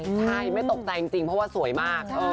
ใช่ไม่ตกใจจริงเพราะว่าสวยมาก